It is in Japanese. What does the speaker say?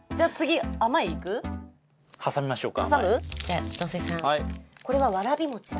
挟みましょうか。